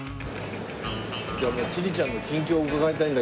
今日はもう千里ちゃんの近況を伺いたいんだけどさ。